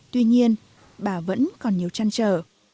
tuy nhiên bà vẫn còn nhiều trăn trở